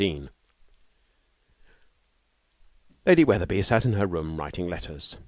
13 Lady Wetherby sat in her room, writing letters.